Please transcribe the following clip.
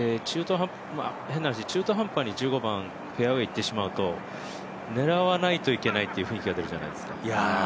変な話、中途半端に１５番フェアウエーにいってしまうと狙わないといけないという雰囲気が出るじゃないですか。